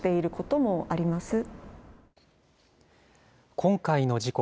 今回の事故。